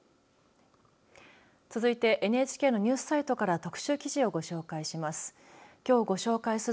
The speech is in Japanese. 続いてＮＨＫのニュースサイトから特集記事をご紹介します。